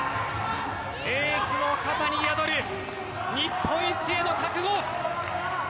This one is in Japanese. エースの肩に宿る日本一への覚悟。